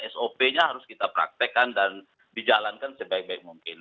sop nya harus kita praktekkan dan dijalankan sebaik baik mungkin